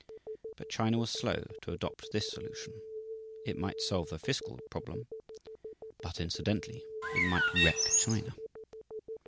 But China was slow to adopt this solution. It might solve the fiscal problem; but incidentally it might wreck China.